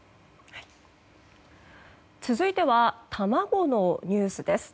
続いては卵のニュースです。